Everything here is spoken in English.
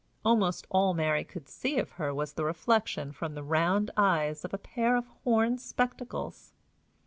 Almost all Mary could see of her was the reflection from the round eyes of a pair of horn spectacles.